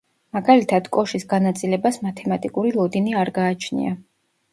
მაგალითად, კოშის განაწილებას მათემატიკური ლოდინი არ გააჩნია.